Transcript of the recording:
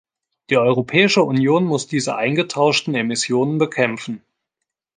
Die Europäische Union muss diese "eingetauschten‟ Emissionen bekämpfen.